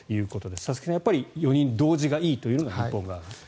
佐々木さん、やっぱり４人同時がいいというのが日本側。